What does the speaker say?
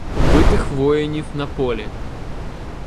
Убитих воїнів на полі